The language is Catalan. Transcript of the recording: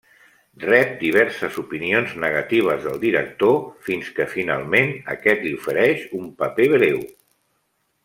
Rep diverses opinions negatives del director, fins que finalment aquest li ofereix un paper breu.